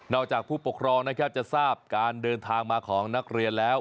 จากผู้ปกครองนะครับจะทราบการเดินทางมาของนักเรียนแล้ว